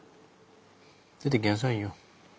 出てきなさいよ。